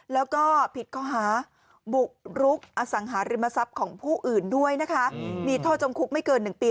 แล้วก็ผิดข้อหาบุกรุกอสังหาริมทรัพย์ของผู้อื่นด้วยนะคะมีโทษจำคุกไม่เกิน๑ปี